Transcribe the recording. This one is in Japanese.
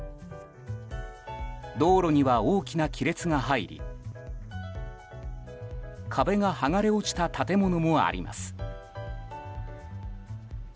道路には大きな亀裂が入り壁が剥がれ落ちた建物もあります。